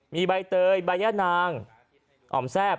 มีใบเตยใบย่านางอ่อมแซ่บ